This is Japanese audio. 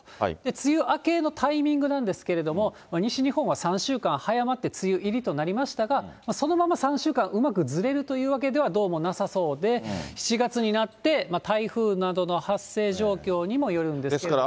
梅雨明けのタイミングなんですけれども、西日本は３週間早まって梅雨入りとなりましたが、そのまま３週間、うまくずれるというわけではどうもなさそうで、７月になって台風などの発生状況にもよるんですけれども。